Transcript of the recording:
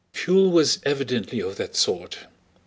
Pfuel was evidently of that sort.